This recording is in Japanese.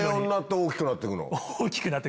大きくなってく。